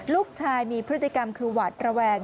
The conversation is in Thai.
ลูกชายมีพฤติกรรมคือหวาดระแวง